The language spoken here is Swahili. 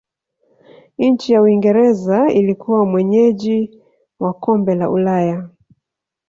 nchi ya uingereza ilikuwa mwenyeji wa kombe la Ulaya